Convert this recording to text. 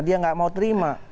dia nggak mau terima